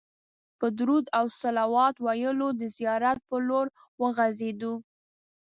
په درود او صلوات ویلو د زیارت پر لور وخوځېدو.